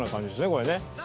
これね。